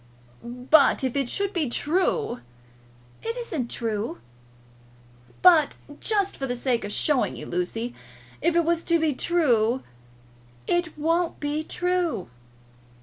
"But if it should be true ?" "It isn't true." "But just for the sake of showing you, Lucy ; if it was to be true." "It won't be true."